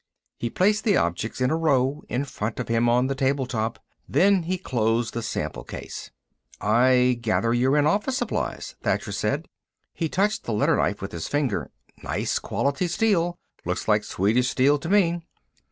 He placed the objects in a row in front of him on the table top. Then he closed the sample case. "I gather you're in office supplies," Thacher said. He touched the letter knife with his finger. "Nice quality steel. Looks like Swedish steel, to me."